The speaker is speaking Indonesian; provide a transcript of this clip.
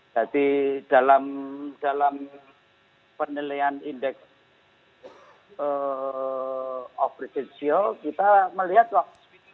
jadi dalam penilaian indeks operasional kita melihat loh